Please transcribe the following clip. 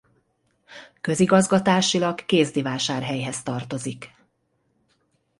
Közigazgatásilag Kézdivásárhelyhez tartozik.